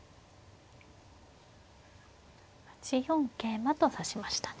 ８四桂馬と指しましたね。